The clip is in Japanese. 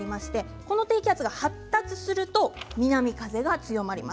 この低気圧が発達すると南風が強まります。